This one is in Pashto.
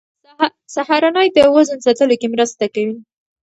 سهارنۍ د وزن ساتلو کې مرسته کوي.